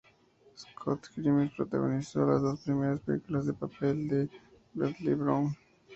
Scott Grimes protagonizó las dos primeras películas en el papel de Bradley Brown.